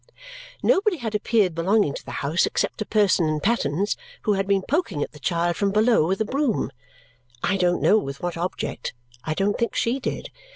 Nobody had appeared belonging to the house except a person in pattens, who had been poking at the child from below with a broom; I don't know with what object, and I don't think she did.